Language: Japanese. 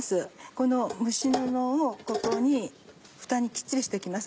この蒸し布をここにフタにきっちりしておきます。